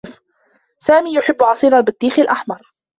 سامي يحبّ عصير البطّيخ الأحمر.